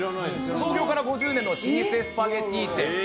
創業から５０年の老舗スパゲティ店。